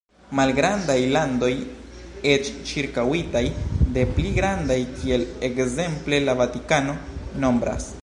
Malgrandaj landoj, eĉ ĉirkaŭitaj de pli grandaj, kiel ekzemple la Vatikano, nombras.